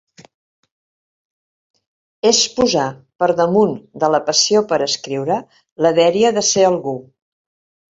És posar, per damunt de la passió per escriure, la dèria de “ser algú”.